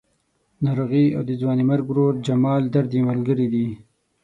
ناروغي او د ځوانې مرګ ورور جمال درد یې ملګري دي.